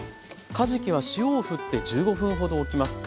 かじきは塩をふって１５分ほどおきます。